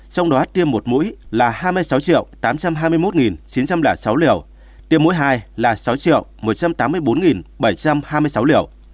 trong đó tiêm một mũi là hai mươi sáu tám trăm hai mươi một chín trăm linh sáu liều tiêm mũi hai là sáu một trăm tám mươi bốn bảy trăm hai mươi sáu liều